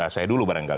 saya dulu barangkali